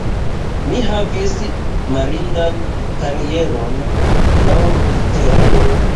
Mi havis mirindan karieron laŭlitere.